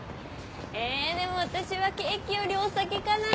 えでも私はケーキよりお酒かな。